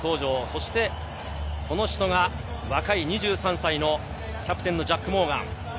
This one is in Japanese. そして、この人が２３歳のキャプテンのジャック・モーガン。